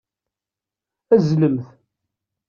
Azzlemt.